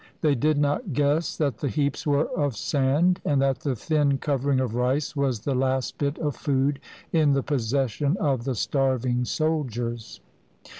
They did not guess that the heaps were of sand, and that the thin covering of rice was the last bit of food in the possession of the starving soldiers.